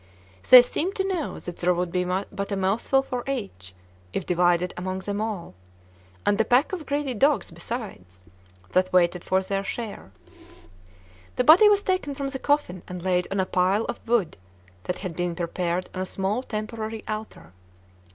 They seemed to know that there would be but a mouthful for each, if divided among them all, and the pack of greedy dogs besides, that waited for their share. The body was taken from the coffin and laid on a pile of wood that had been prepared on a small temporary altar.